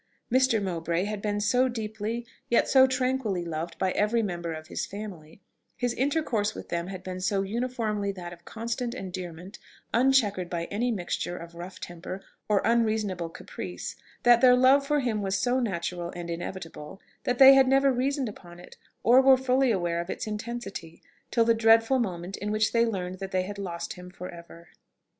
Mr. Mowbray had been so deeply yet so tranquilly loved by every member of his family his intercourse with them had been so uniformly that of constant endearment, unchequered by any mixture of rough temper or unreasonable caprice, that their love for him was so natural and inevitable, that they had never reasoned upon it, or were fully aware of its intensity, till the dreadful moment in which they learned that they had lost him for ever.